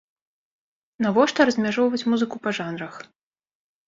Навошта размяжоўваць музыку па жанрах.